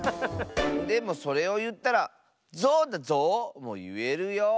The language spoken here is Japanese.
でもそれをいったら「ゾウだゾウ」もいえるよ。